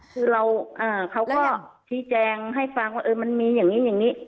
คือเราเขาก็ชี้แจงให้ฟังว่ามันมีอย่างนี้อย่างนี้